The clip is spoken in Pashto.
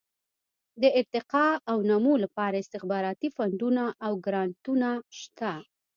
د ارتقاء او نمو لپاره استخباراتي فنډونه او ګرانټونه شته.